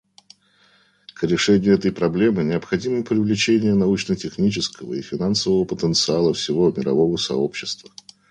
К решению этой проблемы необходимо привлечение научно-технического и финансового потенциала всего мирового сообщества.